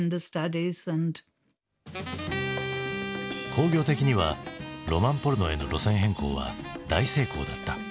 興行的にはロマンポルノへの路線変更は大成功だった。